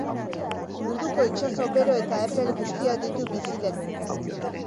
Munduko itsaso bero eta epel guztiak ditu bizileku.